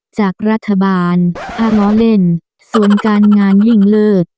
จากรัฐบาลถ้าล้อเล่นส่วนการงานยิ่งเลิศ